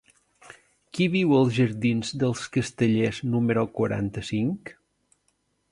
Qui viu als jardins dels Castellers número quaranta-cinc?